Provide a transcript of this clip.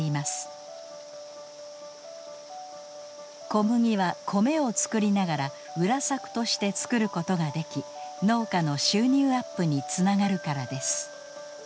小麦はコメを作りながら裏作として作ることができ農家の収入アップにつながるからです。